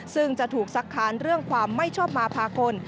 ซึ่งจะถูกสักค้านเรื่องความไม่ชอบมาพากล